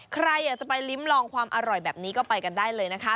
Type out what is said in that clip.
ใครอยากจะไปลิ้มลองความอร่อยแบบนี้ก็ไปกันได้เลยนะคะ